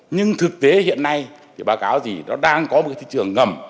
nhưng thực tế hiện nay thì báo cáo gì nó đang có một cái thị trường ngầm